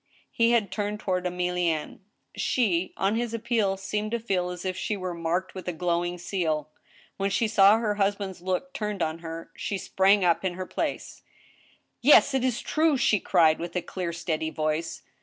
He had turned toward Emilienne. She, on this appeal, seemed to feel as if she were marked with a flowing seal, when she saw her husband's look turned on her. She sprang up in her place. " Yes, it is true !" she cried, with a clear, steady voice.